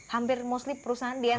hampir mostly perusahaan di ntt